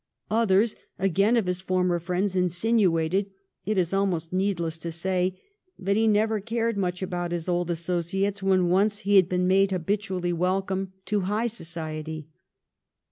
Others, again, of his former friends insinuated, it is almost needless to say, that he never cared much about his old associates when once he had been made habitually welcome to high society.